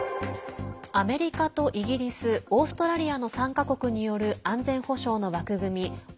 アメリカとイギリスオーストラリアの３か国による安全保障の枠組み